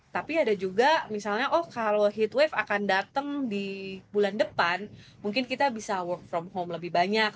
tapi ada juga misalnya oh kalau heat wave akan datang di bulan depan mungkin kita bisa work from home lebih banyak